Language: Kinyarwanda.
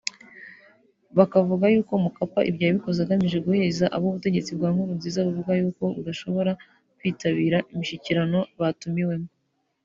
Bakavuga yuko Mkapa ibyo yabikoze agamije guheza abo ubutegetsi bwa Nkurunziza buvuga yuko budashobora kwitabira imishyikirano batumiwemo